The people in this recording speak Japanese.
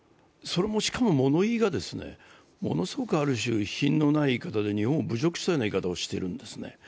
しかも、ものいいが、ものすごく、品のない言い方で日本を侮辱したような言い方をしてるんですね。